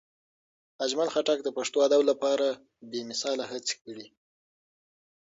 اجمل خټک د پښتو ادب لپاره بې مثاله هڅې کړي.